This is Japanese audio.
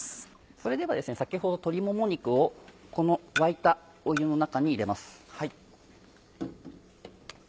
それでは先ほどの鶏もも肉をこの沸いた湯の中に入れます。